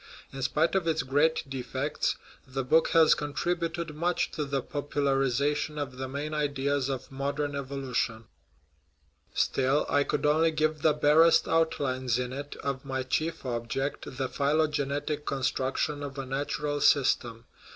In spite of its great defects, the book has contributed much to the popularization of the main ideas of modern evolution. Still, I could 80 THE HISTORY OF OUR SPECIES only give the barest outlines in it of my chief object, the phylogenetic construction of a natural system.